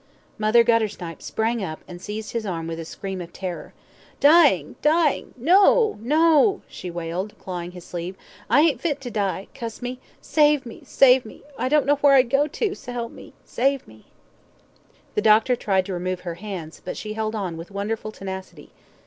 Mother Guttersnipe sprang up, and seized his arm with a scream of terror. "Dyin', dyin' no! no!" she wailed, clawing his sleeve. "I ain't fit to die cuss me; save me save me; I don't know where I'd go to, s'elp me save me." The doctor tried to remove her hands, but she held on with wonderful tenacity.